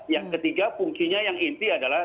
yang ketiga fungsinya yang inti adalah